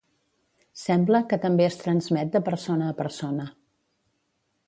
Sembla que també es transmet de persona a persona.